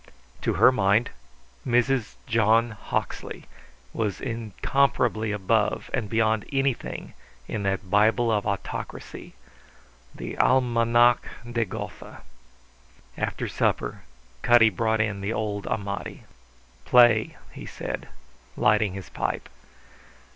To her mind Mrs. John Hawksley was incomparably above and beyond anything in that Bible of autocracy the Almanach de Gotha. After supper Cutty brought in the old Amati. "Play," he said, lighting his pipe.